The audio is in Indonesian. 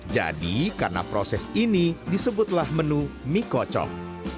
jadi karena proses ini disebutlah menu mie kocok